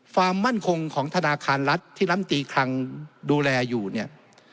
ความมั่นคงของธนาคารรัฐที่ลำตีคลังดูแลอยู่เนี่ย